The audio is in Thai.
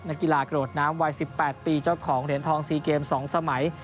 กีฬาโกรธน้ำวัย๑๘ปีเจ้าของเหรียญทอง๔เกม๒สมัย